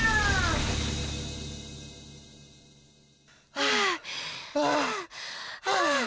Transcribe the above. はあはあはあ。